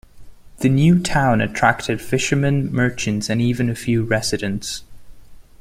The new town attracted fishermen, merchants and even a few residents.